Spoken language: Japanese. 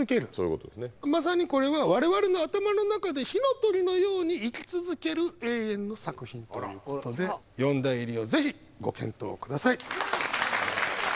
まさにこれは我々の頭の中で「火の鳥」のように生き続ける永遠の作品ということで四大入りをぜひご検討下さい！